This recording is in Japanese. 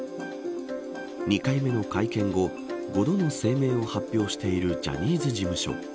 ２回目の会見後５度の声明を発表しているジャニーズ事務所。